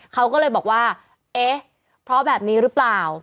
เขาก็เลยบอกว่าเอ๊ะเพราะแบบนี้หรือเปล่า